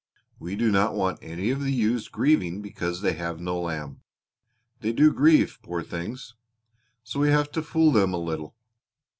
We do not want any of the ewes grieving because they have no lamb they do grieve, poor things so we have to fool them a little.